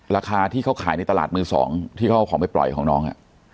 ราคาที่เขาขายในตลาดมือสองที่เขาเอาของไปปล่อยของน้อง